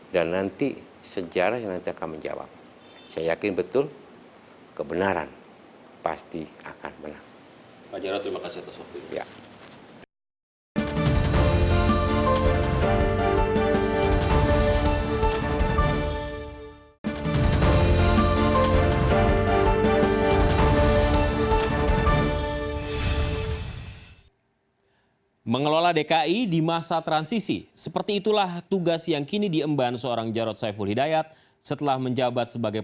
dan nanti sejarah yang nanti akan menjawab